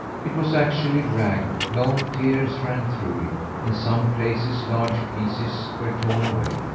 It was actually ragged; long tears ran through it; in some places large pieces were torn away.